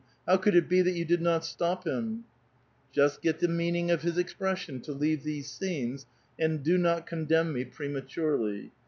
How could it be that you did not stop him ?' Just get the meaning of his expression, ' to leave these scenes,' and do not condemn me prematurely.